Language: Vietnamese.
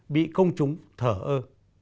bị công chúng thở ơ